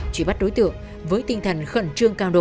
truy bắt đối tượng với tinh thần khẩn trương cao độ